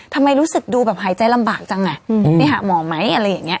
ทำไมรู้สึกดูแบบหายใจลำบากจังอ่ะไปหาหมอไหมอะไรอย่างนี้